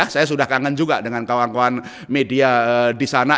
saya sudah kangen juga dengan kawan kawan media di sana